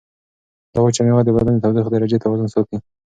دا وچه مېوه د بدن د تودوخې د درجې توازن ساتي.